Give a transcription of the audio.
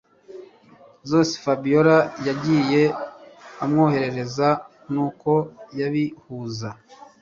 zose Fabiora yagiye amwoherereza nuko yabihuza